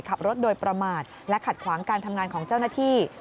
ขับรถโดยประมาทและขัดขวางการทำงานของเจ้าหน้าที่